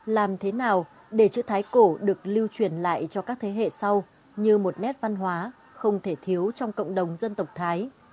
làm thế nào để chữ thái cổ được lưu truyền lại cho các thế hệ sau như một nét văn hóa không thể thiếu trong cộng đồng dân tộc thái